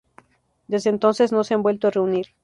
Desde entonces no se han vuelto a reunir.